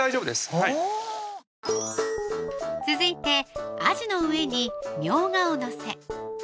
ほう続いてあじの上にみょうがを載せ